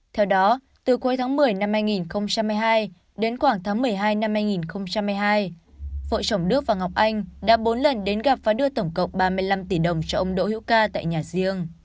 theo đó từ cuối tháng một mươi năm hai nghìn hai mươi hai đến khoảng tháng một mươi hai năm hai nghìn hai mươi hai vợ chồng đức và ngọc anh đã bốn lần đến gặp và đưa tổng cộng ba mươi năm tỷ đồng cho ông đỗ hữu ca tại nhà riêng